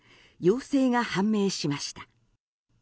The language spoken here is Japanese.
陽性が判明しました。